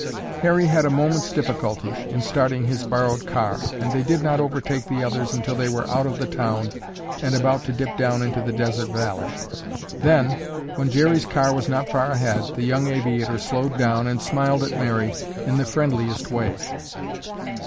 Harry had a moment's difficulty in starting his borrowed car and they did not overtake the others until they were out of the town and about to dip down into the desert valley. Then, when Jerry's car was not far ahead, the young aviator slowed down and smiled at Mary in the friendliest way.